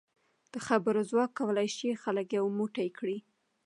د خبرو ځواک کولای شي خلک یو موټی کړي.